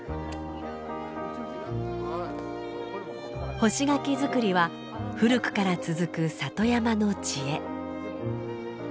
干し柿作りは古くから続く里山の知恵。